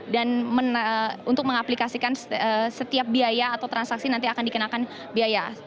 dan untuk mengaplikasikan setiap biaya atau transaksi nanti akan dikenakan biaya